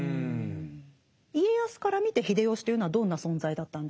家康から見て秀吉というのはどんな存在だったんでしょうか？